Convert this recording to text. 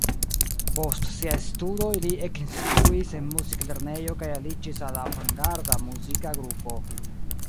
Post siaj studoj li ekinstruis en muziklernejo kaj aliĝis al avangarda muzika grupo.